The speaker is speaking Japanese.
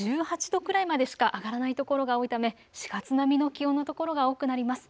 １８度くらいまでしか上がらないところが多いため４月並みの気温の所が多くなります。